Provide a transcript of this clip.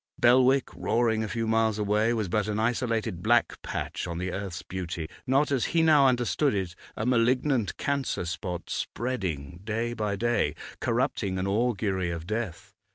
Belwick, roaring a few miles away, was but an isolated black patch on the earth's beauty, not, as he now understood it, a malignant cancer spot, spreading day by day, corrupting, an augury of death.